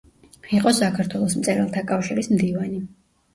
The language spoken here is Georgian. იყო საქართველოს მწერალთა კავშირის მდივანი.